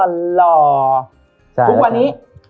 พรุ่งวันนี้